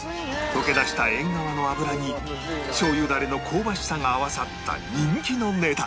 溶け出したえんがわの脂にしょう油ダレの香ばしさが合わさった人気のネタ